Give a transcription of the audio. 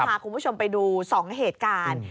พาคุณผู้ชมไปดู๒เหตุการณ์